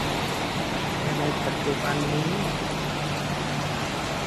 ในปัจจุบันนี้